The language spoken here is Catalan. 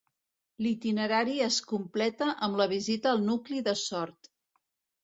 L'itinerari es completa amb la visita al nucli de Sort.